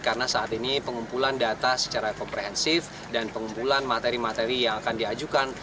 karena saat ini pengumpulan data secara komprehensif dan pengumpulan materi materi yang akan diajukan